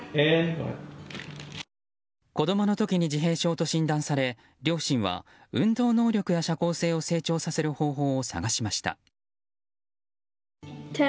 子供の時に自閉症と診断され両親は、運動能力や社交性を成長させる方法を探しました。